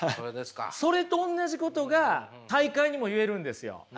それと同じことが大会にも言えるんですよ。